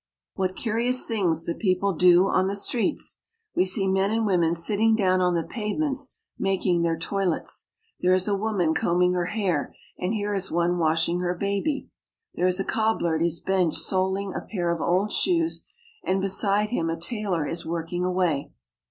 What curious things the people do on the streets ! We see men and women sitting down on the pavements making their toilets. There is a woman combing her hair, and here is one washing her baby. There is a cobbler at his bench soling a pair of old shoes, and beside him a tailor is working away.